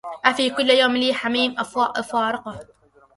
أفي كل يوم لي حميم أفارقه